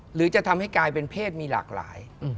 หรือจะทำให้กลายเป็นเพศมีหลากหลาย